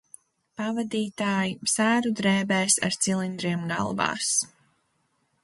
Pavadītāji – sēru drēbēs ar cilindriem galvās.